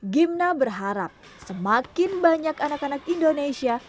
gimna berharap semakin banyak anak anak indonesia